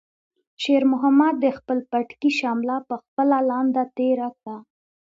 شېرمحمد د خپل پټکي شمله په خپله لنده تېره کړه.